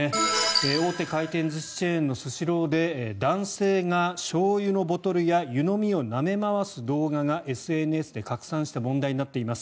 大手回転寿司チェーンのスシローで男性がしょうゆのボトルや湯飲みをなめ回す動画がＳＮＳで拡散して問題になっています。